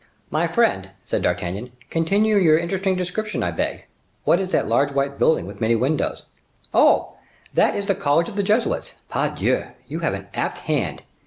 "My friend," said D'Artagnan, "continue your interesting description, I beg. What is that large white building with many windows?" "Oh! that is the college of the Jesuits. Pardieu! you have an apt hand.